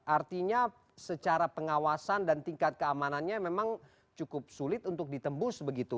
artinya secara pengawasan dan tingkat keamanannya memang cukup sulit untuk ditembus begitu